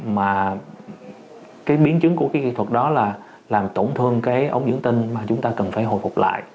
mà cái biến chứng của cái kỹ thuật đó là làm tổn thương cái ống dưỡng tinh mà chúng ta cần phải hồi phục lại